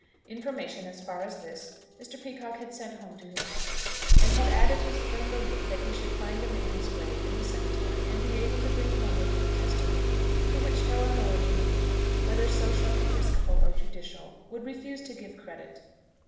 Information as far as this Mr. Peacocke had sent home to his wife, and had added his firm belief that he should find the man's grave in the cemetery, and be able to bring home with him testimony to which no authority in England, whether social, episcopal, or judicial, would refuse to give credit.